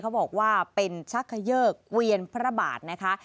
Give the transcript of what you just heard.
เขาบอกว่าเป็นชักเขยิกเกวียนพระบาทนะคะ